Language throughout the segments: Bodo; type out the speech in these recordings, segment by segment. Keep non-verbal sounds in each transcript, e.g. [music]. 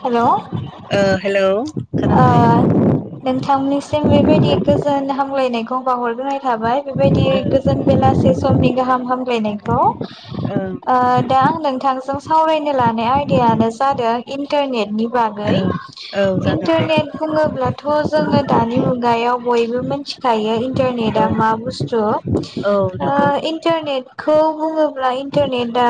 हेल' ओ हेलौ औ ओ नोंथांनिसिम बेबायदि गोजोन हामलायनायखौ बावहरग्रोनाय थाबाय बेबायदि गोजोन बेलासे समनि गाहाम हामलायनायखौ औ ओ दा आं नोंथां जों सावरायनो लानाय आयदायानो जादों इन्टारनेटनि बागै औ औ जागोन दे इन्टारनेट बुङोब्लाथ' जोङो दानि मुगायाव बयबो मिथिखायो इ न्टारनेट औ आ मा बुस्थु आ नोंगौ इन्टारनेट खौ बुङोब्ला इन्टारनेटआ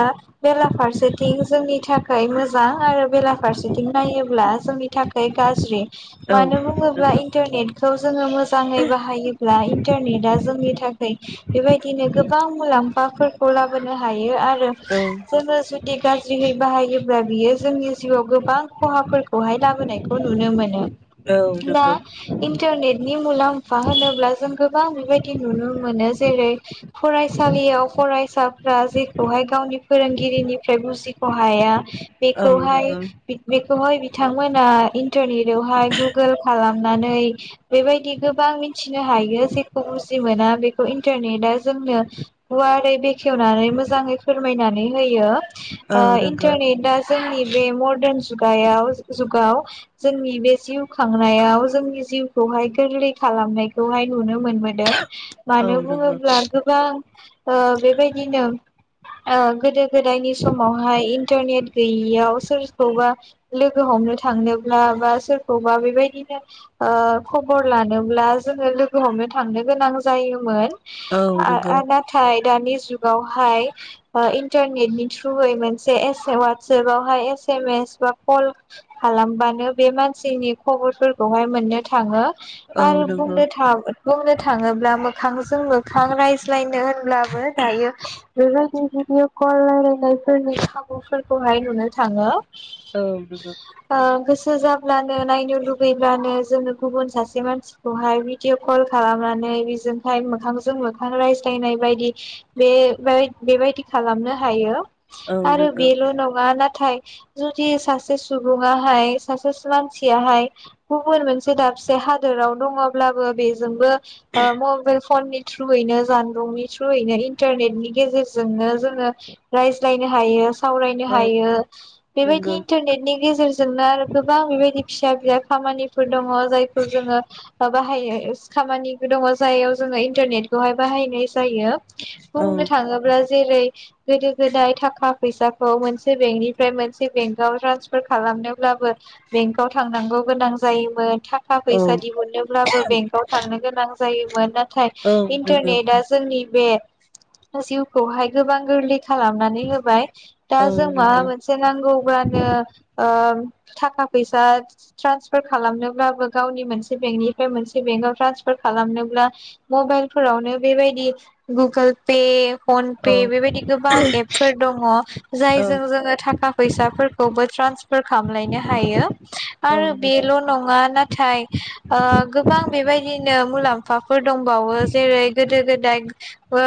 बेलाफारसेथिं जोंनि थाखाय मोजां आरो बेलाफारसेथिं नायोब्ला जोंनि थाखाय गाज्रि । औ नोंगौ औ मानो बुङोब्ला नोंगौ इन्टारनेट खौ जोङो मोजाङै बाहायोब्ला इन्टारनेटआ जोंनि थाखाय बेबायदिनो गोबां मुलाम्फाफोरखौ लाबोनो हायो आरो औ जोङो जु दि गाज्रियै बाहायोब्ला बियो जोंनि जिउआव गोबां खहाफोरखौहाय लाबोनायखौ नुनो मोनो। दा नोंगौ इन्टारनेट नि मुलाम्फा होनोब्ला जों गोबां बेबायदि नुनो मोनो जेरै फरायसालियाव फरायसाफ्रा जेखौहाय गावनि फोरोंगिरिनिफ्राय बुजिख' हाया औ बेखौहाय नोंगौ बेखौहाय बिथांमोना इन्टारनेटावहाय गुगोल खालामनानै बेबायदि गोबां मिथिनो हायो जेखौ बुजि मोना बेखौ इन्टारनेटआ जोंनो गुवारै बेखेवनानै मोजाङै फोरमायनानै होयो। औ ओ नोंगौ इन्टारनेटआ जोंनि बे मर्डान जु गायाव जुगाव जोंनि बे जिउ खांनायाव जोंनि जिउखौहाय गोरलै खालामनायखौहाय नुनो मोनबोदों। औ नोंगौ औ नोंगौ औ मानो बुङोब्ला गोबां ओ बेबायदिनो ओ गोदो गोदायनि समावहाय इन्टारनेट गैयियाव सोरखौबा लोगो हमनो थांनो बा सोरखौबा बेबायदिनो ओ खबर लानोब्ला जोङो लोगो हमनो थांनो गोनां जायोमोन। नोंगौ आ-आ नाथाय दानि जुगावहाय ओ इन्टारनेटनि थ्रुयै मोनसे एस वाटसपावहाय एसेमेस बा कल खालामबानो बे मानसिनि खबरफोरखौहाय मोननो थाङो। औ आरो नोंगौ औ नोंगौ औ नोंगौ औ नोंगौ औ नोंगौ औ नोंगौ औ नोंगौ औ बुंनो थां बुंनो थाङोब्ला मोखांजों मोखां रायज्लायनो होनब्लाबो दायो बेबायदि भिडिअ कल रायलायनायफोरनि खाबुफोरखौहाय नुनो थाङो। औ लोगो। ओ गोसो जाब्लानो नायनो लुगैब्लानो जोङो गुबुन सासे मानसिखौहाय भिडिअ कल खालामनानै बेजोंहाय मोखांजों मोखां रायज्लायनाय बायदि बे बेबायदि खालामनो हायो। औ नोंगौ आरो औ नोंगौ बेल नङा नाथाय जदि सासे सुबुङाहाय। सासे मानसियाहाय गुबुन मोनसे दाबसे हादोराव दङब्लाबो बेजोंबो ओ मबाइल फननि थ्रुयैनो जानबुंनि थ्रुयैनो इन्टारनेटनि गेजेरजोंनो जोङो रायज्लायनो हायो सावरायनो हायो। बेबायदि इन्टारनेटनि गेजेरजोंनो आरो बेबायदि फिसा बिला खामानिफोर दङ जायखौ जोङो बाहायनाय खामानि दङ जायाव जोङो इन्टारनेटखौहाय बाहायनाय जायो। बुंनो थाङोब्ला जेरै- गोदो गोदाय थाखा फैसाखौ मोनसे बेंकनिफ्राय मोनसे बेंकआव ट्रान्सफार खालामनोब्लाबो। बेंकआव थांनांगौ गोनां जायोमोन थाखा फैसा दिहुनोब्लाबो बेंकआव थांनो गोनां जायोमोन। ना थाय इन्टारनेटआ जोंनि बे जिउखौहाय गोबां गोरलै खालामनानै होबाय। दा जों माबा मोनसे नांगौ बानो ओ थाखा फैसा ट्रान्सफार खालामनोब्लाबो गावनि मोनसे बेंकनिफ्राय मोनसे बेंकआव ट्रान्सफार खालामनोब्ला मबाइलफोरावनो बेबायदि गुगोल पे फन पे बेबायदि गोबां एपफोर दङ जायजों जोङो थाखा फैसाफोरखौबो ट्रान्सफार खालामलायनो हायो। आरो बेल' नङा ना थाय ओ गोबां बेबायदिनो मुलाम्फाफोर दंबावो जेरै- गोदो गोदाय ओ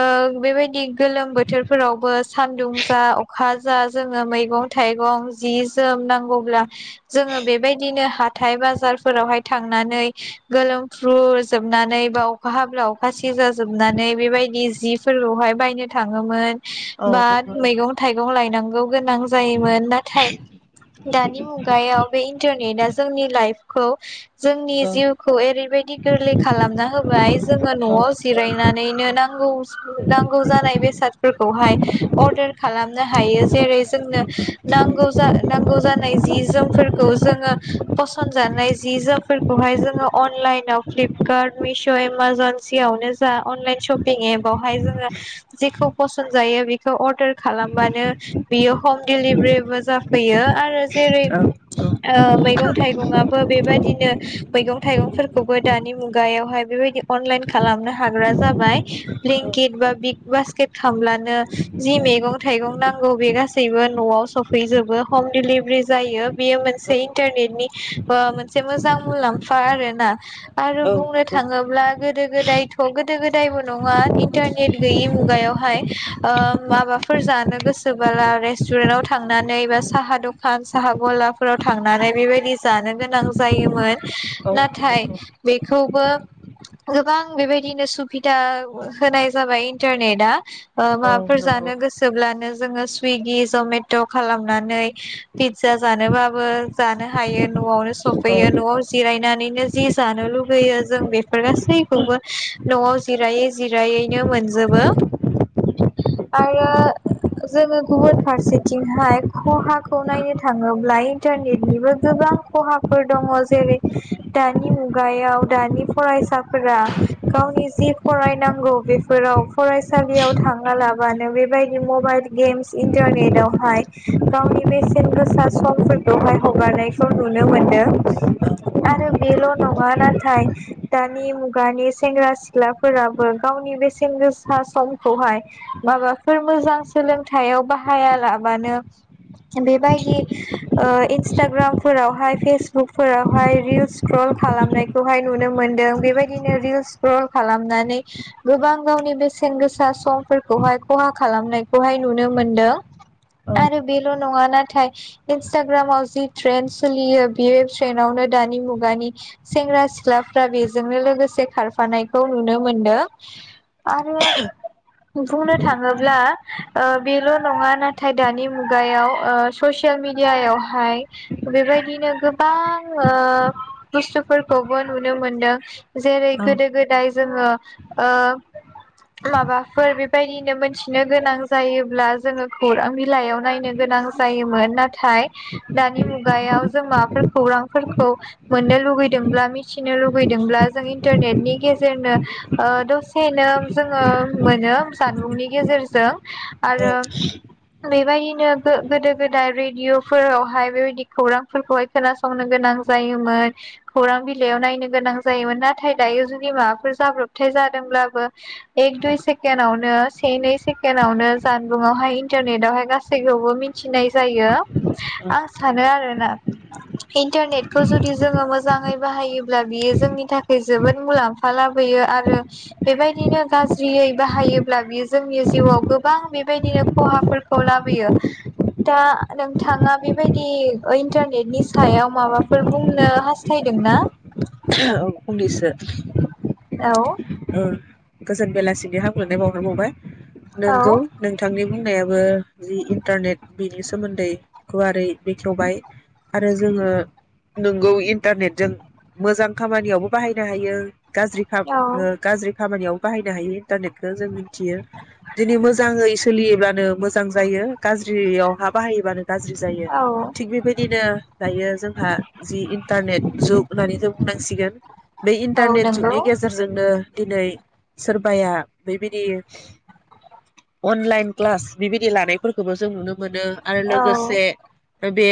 बेबायदि गोलोम बोथोरफोरावबो सानदुं जा अखा जा जोङो मैगं थाइगं जि जोम नांगौब्ला जोङो बेबायदिनो हाथाय बाजारफोरावहाय थांनानै गोलोमफ्रुजोबनानै बा अखा हाब्ला अखा सिजाजोबनानै बेबायदि जिफोरखौहाय बायनो थाङोमोन। बाट मैगं थाइगं लायनां गौ गोनां जायोमोन नाथाय दानि मु गायाव बे इन्टारनेटा जोंनि लाइफखौ जोंनि जिउखौ ओरैबाय दि गोरलै खालामना होबाय जोङो न'आव जिरायनानैनो नांगौ सो नांगौ जानाय बेसादफोरखौहाय अर्दार खालामनो हायो जेरै- जोंनो नांगौ जा नांगौ जानाय जि जोमफोरखौ जोङो फसनजानाय जि जोमफोरखौहाय जोङो अनलाइनाव फ्पिफकार्ट मिश' एमाजन सियावनो जा अनलाइन शपिं एपावहाय जोङो जिखौ फसन जायो बेखौ अर्डार खालामबानो बियो हम दिलिभारिबो जाफैयो आरो जेरै - ओ मैगं थाइगंआबो बेबायदिनो मैगं थाइगंफोरखौबो दानि मुगायावहाय बेबायदि अनलाइन खालामनो हाग्रा जाबाय ब्लिंकिट बा बिग बास्केट खालामामब्लानो जि मैगं थाइगं नांगौ बे गासैबो न'आव सफैजोबो हम दिलिभारि जायो। बेयो मोनसे इन्टारनेटनि ओ मोनसे मोजां मुलाम्फा आरोना आरो बुंनो थाङोब्ला गोदो गोदायथ' गोदो गोदायबो नङा इन्टारनेट गैयि मुगायावहाय ओ माबाफोर जानो गोसोबाला रेस्टुरेन्टाव थांनानै बा साहा दखान साहा गला फोराव थांनानै बेबादि जानो गोनां जायोमोन नाथाय बेखौबो गोबां बेबायदिनो सुबिदा होनाय जाबाय इन्टारनेटआ ओ औ माबाफोर नोंगौ जानो गोसोब्लानो जोङो सुइगि जमेट' खालामनानै फिजा जानोबा बो जानो हायो न'आवनो औ सफैयो न'आव जिरायना नैनो जि जानो लुबैयो जों बेफोर गासैखौबो न'आव जिरायै जिरायैनो मोनजोबो आङो जोङो गुबुन फारसेथिंहाय खहाखौ नायनो थाङोब्ला इन्टारनेटनिबो गोबां खहाफोर दङ जेरै- दानि मुगायाव दानि फरायसाफोरा गावनि जि फरायनांगौ बेफोराव फरायसालियाव थाङालाबानो बेबायदि मबाइल गेम्स इन्टारनेटआवहाय गावनि बेसेन गोसा सम फोरखौहाय हगारनायखौ नुनो मोनदों आरो बेल' नङा नाथाय दानि मुगानि सेंग्रा सिख्लाफोराबो गावनि बेसेेन गोसा समखौहाय माबाफोर मोजां सोलोंथायाइयाव बाहाया लाबानो बेबायदि ओ इन्सटाग्रामफोरावहाय फेसबुकफोरावहाय रिल सिक्रल खालामनायखौहाय नुनो मोनदों बेबायदिनो रिल सिक्रल खालामनानै गोबां गावनि बेसेन गोसा समफोरखौहाय खहा खालामनायखौहाय नुनो मोनदों औ आरो बेल' नङा नाथाय इन्सटाग्रामाव जि ट्रेन्ड सोलियो बे ट्रेन्डआवनो दानि मुगानि सेंग्रा सिख्लाफ्रा बेजोंनो लोगोसे खारफानायखौ नुनो मोनदों आरो बुंनो थाङोब्ला ओ बेल' नङा नाथाय दानि मुगायाव ओ ससे [unintelligible] मिडियायावहाय बेबायदिनो गोबां ओ बुस्थुफोरखौबो नुनो मोनदों। जेरै औ गोदो गोदाय जोङो ओ माबाफोर बेबायदिनो मोनथिनो गोनां जायोब्ला जोङो खौरां बिलाइयाव नायनो गोनां जायोमोन। नाथाय दानि मुगायाव जों माबाफोर खौरांफोरखौ मोननो लुगैदोंब्ला मिथिनो लुगैदोंब्ला जों इन्टारनेटनि गेजेरनो ओ दसेनो जोङो मोनो जानबुंनि गेजेरजों। औ। आरो बेबायदिनो गो-गोदो गोदाय बै भिदिअफोरावहाय बेबायदि खौरांफोरखौहाय खोनासंनो गोनां जायोमोन खौरां बिलाइयाव नायनो गोनां जायोमोन नाथाय दायो जुदि माबाफोर जाब्रबथाय जादोंब्लाबो एक दुइ सेकेणडावनो से नै सेकेणडआवनो जानबुंआवहाय इन्टारनेटवहाय गासैखौबो मिथिनाय जायो। आं सानो आरो ना इन्टारनेटखौ जुदि जोङो मोजाङै बाहायोब्ला बियो जोंनि थाखाय जोबोद मुलाम्फा लाबोयो आरो बेबायदिनो गाज्रियै बाहायोब्ला बियो जोंनि जिउआव गोबां बेबायदिनो खहाफोरखौ लाबोयो दा नोंथाङा बेबायदि इन्टारनेटनि सायाव माबाफोर बुंनो हास्थायदोंना? ओं फंनैसो। औ। ओ गोजोन बेलासिनि हामग्लायनाय बावहरबावबाय। औ नोंगौ नोंथांनि बुंनायाबो जि इन्टारनेट बेनि सोमोन्दै गुवारै बेखेवबाय आरो जोङो नोंगौ इन्टारनेटजों मोजां खामानियावबो बाहायनो हायो। गाज्रिखाब औ ओ गाज्रि खामानियाव बाहायनो हायो इन्टारनेटखौ जों मिथियो दिनै मोजाङै सोलियोब्लानो मोजां जायो गाज्रियावहा बाहायोबानो गाज्रि जायो औ थिग बेबायदिनो दायो जोंहा जि इन्टारनेट जुग होननानै जों बुंनांसिगोन । बे औ इन्टारनेट नंगौ जुगनि गे जोंनो दिनै सोरबाया बेबायदि अनलाइन क्लास बिबायदि लानायफोरखौबो जों नुनो मोन मोनो आरो औ लोगोसे ओ बे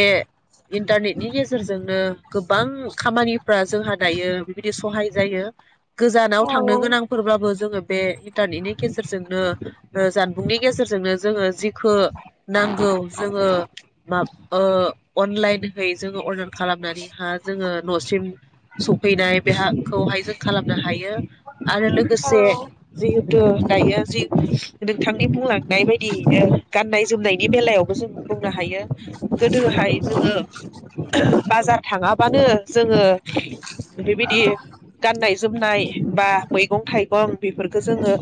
इन्टारनेटनि गेजेरजोंनो गोबां खामानिफ्रा जोंहा दायो बिबायदि सहाय जायो । गोजानाव औ थांनो गोनांफोरब्लाबो जोङो बे इन्टारनेटनि गेजेरजोंनो ओ जानबुंनि गेजेरजोंनो जोङो जिखो नांगौ जोङो माब ओ अनलाइन है जोङो अरदार खालामनानै हा जोङो न'सिम । सफैनाय बे हाखौहाय जों खालाम । हायो । आरो औ लोगोसे जि थु दायो जि नोंथांनि बुंलांनाय बायदियैनो गाननाय जोमनायनि बेलायाव बो जों बुंनो हायो गोदोहाय जोङो । बाजार थाङाबानो जोङो बेबायदि गाननाय जोमनाय बा मैगं थाइगं। बेफोरफोरखौ जोङो।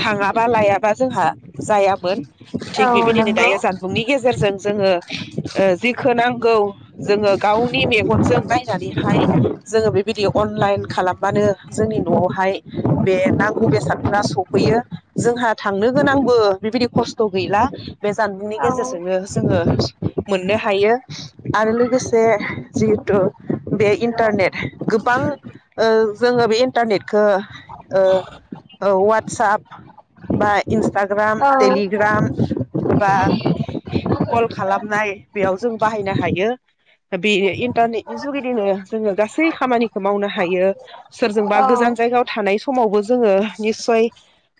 थाङाबा लायाबा जोंहा जायाबो। औ थिग बेबायदिनो नंगौ दायो जानबुंनि गेजेरजों। जोङो ओ-जेखौ नांगौ जोङो गावनि मेगनजों नायनानैहाय जोङो बेबायदि अनलाइन। खालामबानो जोंनि न'आवहाय बे नांगौ बेसाद फोरा सफैयो जोंहा थांनो गोनांबो बेबायदि खस्थ' गैला बे जानबुंनि औ गेजेरजोंनो जोङो मोननो हायो आरो लोगोसे जिहेथु बे इन्टारनेट गोबां। ओ-जोङो बे इन्टारनेटखौ ओ- औ वाटसाप बा इन्सटाग ग्राम औ टलिग्राम बा कल खालामनाय बेयाव जों बाहायनो हायो बे इन्टारनेटनि जुगिदिनो जोङो गासै खामानिखौ मावनो । हायो सोरजोंबा गोजान जायगायाव थानाय समावबो जोङो निसय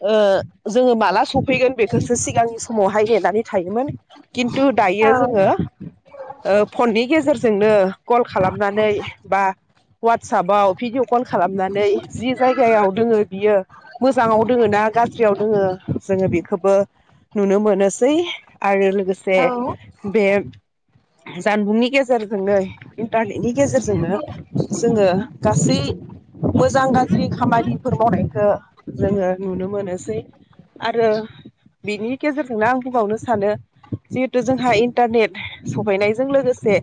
ओ-जोङो माला सफैगोन बेखौसो सिगांनि समावहाय नेनानै थायोमोन खिन्थु दायो औ जोङो ओ-फननि गेजेरजोंनो कल खालामनानै बा वादस साबाव भिडिअ कल खालामनानै जि जायगायाव दोङो बियो मोजाङाव दोङो ना गाज्रियाव दोङो जोङो बेखौबो नुनो मोनोसै आरो लोगोसे औ बे जानबुंनि गेजेरजोंनो इन्टारनेटनि गेजेरजोंनो जोङो। गासै मोजां गाज्रि खामानिफोर मावनायखौ जोङो नुनो मोनोसै आरो बिनि गेजेरजोंनो आं बुंबावनो सानो जिहेथु जोंहा इन्टारनेट सहैनायजों लोगोसे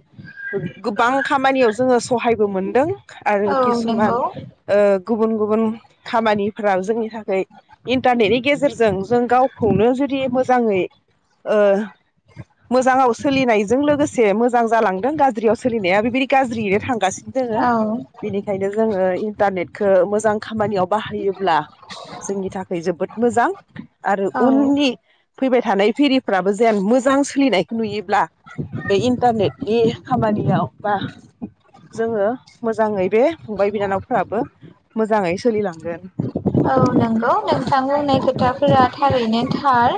गोबां खामानियाव जोङो सहायबो मोनदों। आरो औ किसुमान नंगौ ओ- गुबुन गुबुन खामानिफ्राव जोंनि थाखाय इन्टारनेटनि गेजेरजों जों गावखौनो जुदि मोजाङै ओ-मोजाङाव सोलिनायजों लोगोसे मोजां जालांदों गाज्रियाव सोलिनाया बेबायदि गाज्रियैनो थांगासि दङो औ बेनिखायनो जोङो इन्टारनेटखौ मोजां खामानियाव बाहायोब्ला जोंनि थाखाय जोबोद मोजां आरो औ उननि फैबाय थानाय फेरिफ्राबो जेन मोजां सोलिनायखौ नुयोब्ला बे इन्टारनेटनि खामानियाव बा जोङो मोजाङै बे फंबाय बिनानावफोराबो मोजाङै सोलिलांगोन। औ नंगौ नोंथां बुंनाय खोथाफोरा थारैनो थार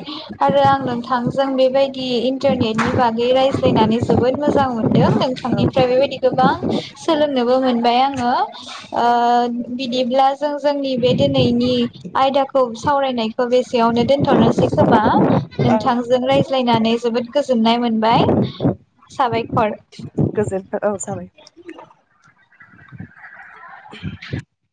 आरो आं नोंथांजों बेबायदि इन्टारनेटनि बागै रायज्लायनानै जोबोद मोजां मोनदों नोंथांनिफ्राय बेबायदि गोबां सोलोंनोबो मोनबाय आङो ओ-बिदिब्ला जों जोंनि बे दि नैनि आयदाखौ सावरायनायखौ बेसेयावनो दोनथ'नोसै खोमा औ नोंथांजों रायज्लायनानै जोबोद गोजोननाय मोनबाय साबायखर। गोजोनथो औ साबाय [inaudible] [inaudible]